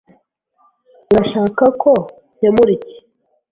Urashaka ko nkemura iki?